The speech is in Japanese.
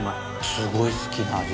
すごい好きな味。